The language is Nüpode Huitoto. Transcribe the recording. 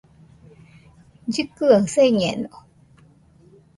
Llɨkɨaɨ señeno